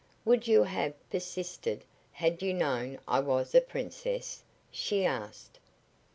"Would you have persisted had you known I was a princess?" she asked.